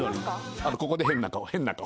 ここで「変な顔変な顔」